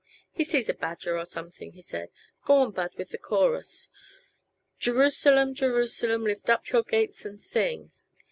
"He sees a badger or something," he Said. "Go on, Bud, with the chorus." "Jerusalem, Jerusalem, Lift up your gates and sing."